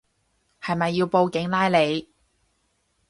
係咪要報警拉你